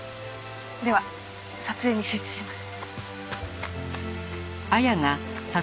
では撮影に集中します。